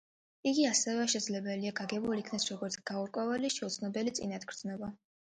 იგი ასევე შესაძლებელია გაგებულ იქნას როგორც „გაურკვეველი, შეუცნობელი წინათგრძნობა“.